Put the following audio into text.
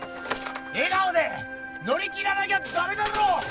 笑顔で乗り切らなきゃダメだろ！